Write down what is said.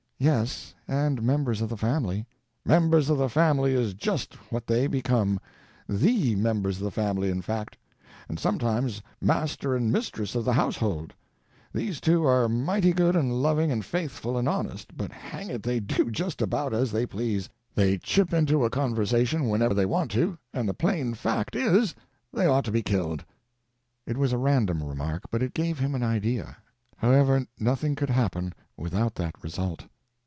"Yes, and members of the family." "Members of the family is just what they become—the members of the family, in fact. And sometimes master and mistress of the household. These two are mighty good and loving and faithful and honest, but hang it, they do just about as they please, they chip into a conversation whenever they want to, and the plain fact is, they ought to be killed." It was a random remark, but it gave him an idea—however, nothing could happen without that result.